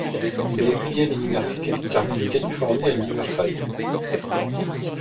Il a étudié à l'Université de Californie à Riverside.